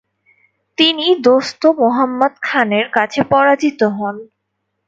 তিনি দোস্ত মুহাম্মদ খানের কাছে পরাজিত হন।